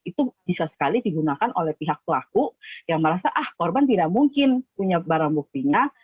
itu bisa sekali digunakan oleh pihak pelaku yang merasa ah korban tidak mungkin punya barang buktinya